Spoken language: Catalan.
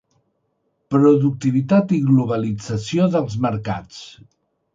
Productivitat i globalització dels mercats.